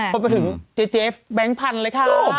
พอไปถึงจ๊บแบ๊งค์พันเลยค่ะ